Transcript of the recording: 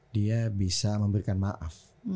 dia bisa memberikan maaf